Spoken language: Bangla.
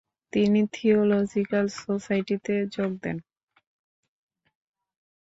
তিনি থিওলজিকাল সোসাইটিতে যোগ দেন।